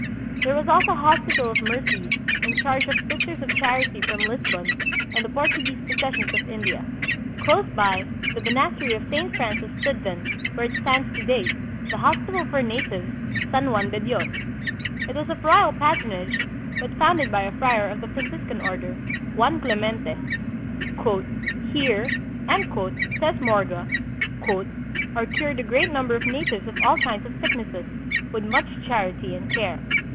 There was also a Hospital of Mercy, in charge of Sisters of Charity from Lisbon and the Portuguese possessions of India. Close by the Monastery of Saint Francis stood then, where it stands to day, the hospital for natives, San Juan de Dios. It was of royal patronage, but founded by a friar of the Franciscan order, Juan Clemente. "Here," says Morga, " are cured a great number of natives of all kinds of sicknesses, with much charity and care.